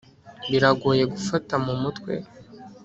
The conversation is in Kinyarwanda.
biragoye gufata mu mutwe